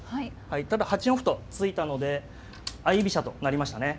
ただ８四歩と突いたので相居飛車となりましたね。